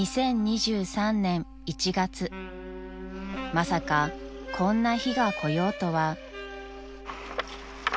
［まさかこんな日が来ようとは］